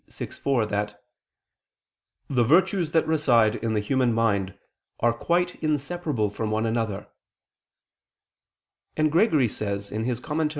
vi, 4) that "the virtues that reside in the human mind are quite inseparable from one another": and Gregory says (Moral.